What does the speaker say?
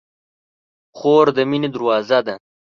خور د مینې دروازه ده.